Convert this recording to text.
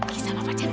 kisah sama pacarnya